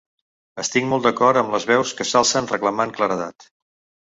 Estic molt d’acord amb les veus que s’alcen reclamant claredat.